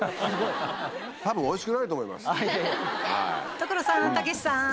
所さんたけしさん。